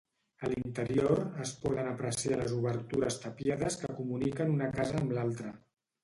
A l’interior es poden apreciar les obertures tapiades que comuniquen una casa amb l’altra.